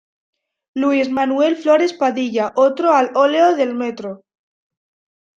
Luis Manuel Flores Padilla, otro al óleo del Mtro.